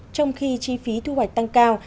trong khi chi phí thu hoạch tăng cao